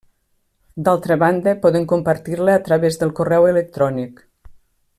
D'altra banda, podem compartir-la a través del correu electrònic.